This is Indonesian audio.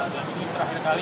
dan ini terakhir kali